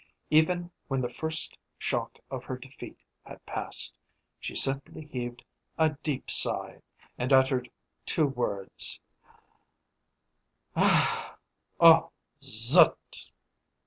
Even when the first shock of her defeat had passed, she simply heaved a deep sigh, and uttered two words, "Oh, Zut!"